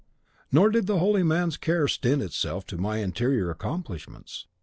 Nor did the holy man's care stint itself to my interior accomplishments.